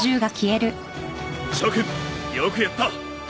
諸君よくやった。